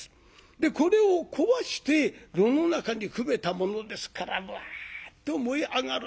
でこれを壊して炉の中にくべたものですからうわっと燃え上がる。